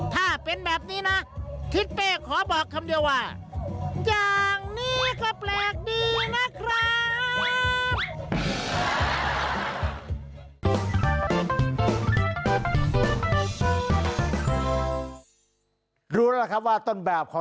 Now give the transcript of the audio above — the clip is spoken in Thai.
ถ้าเป็นแบบนี้นะทิศเป้ขอบอกคำเดียวว่า